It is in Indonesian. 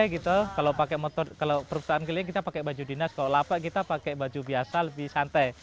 kalau perpustakaan keliling kita pakai baju dinas kalau lapak kita pakai baju biasa lebih santai